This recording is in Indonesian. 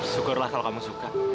syukurlah kalau kamu suka